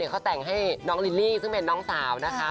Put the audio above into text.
เขาแต่งให้น้องลิลลี่ซึ่งเป็นน้องสาวนะคะ